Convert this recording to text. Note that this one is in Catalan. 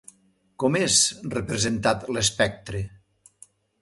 Com és representat l'espectre?